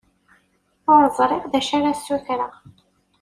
Ur ẓriɣ d acu ara ssutreɣ.